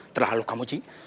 terlalu kamu ji